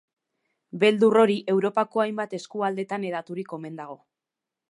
Beldur hori Europako hainbat eskualdetan hedaturik omen dago.